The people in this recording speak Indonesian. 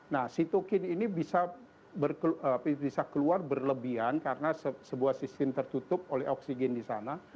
nah sitokin ini bisa keluar berlebihan karena sebuah sistem tertutup oleh oksigen di sana